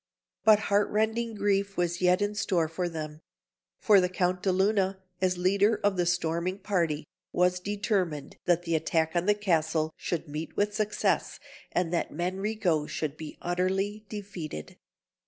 But heart rending grief was yet in store for them; for the Count de Luna, as leader of the storming party, was determined that the attack on the castle should meet with success, and that Manrico should be utterly defeated.